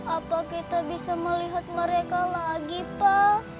apa kita bisa melihat mereka lagi pak